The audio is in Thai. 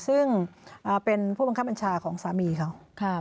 ซึ่งเป็นผู้บังคับบัญชาของสามีเขา